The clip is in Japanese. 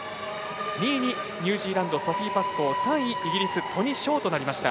２位にニュージーランドソフィー・パスコー３位、イギリストニ・ショーとなりました。